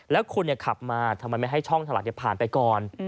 แล้วคุณขับมาทำไมไม่ให้ช่องถลักผ่านไปก่อน